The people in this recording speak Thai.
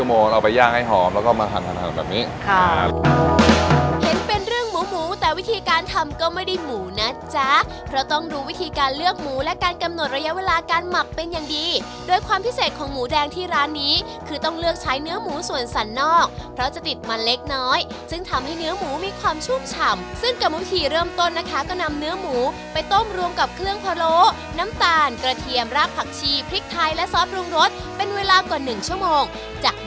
เอาไปย่างให้หอมแล้วก็มาหั่นหั่นหั่นแบบนี้ค่ะเห็นเป็นเรื่องหมูหมูแต่วิธีการทำก็ไม่ได้หมูนะจ๊ะเพราะต้องรู้วิธีการเลือกหมูและการกำหนดระยะเวลาการหมับเป็นอย่างดีด้วยความพิเศษของหมูแดงที่ร้านนี้คือต้องเลือกใช้เนื้อหมูส่วนสันนอกเพราะจะติดมันเล็กน้อยซึ่งทำให้เนื้อหมูมีความช